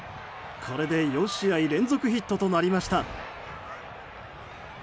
これで４試合連続ヒットとなりました。